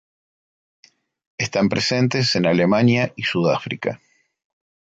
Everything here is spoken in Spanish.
Están presentes en Alemania y Sudáfrica.